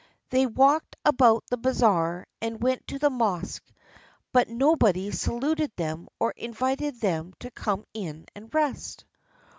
They walked about the bazaar and went to the mosque, but nobody saluted them or invited them to come in and rest.